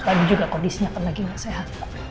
lagi juga kok disini akan lagi gak sehat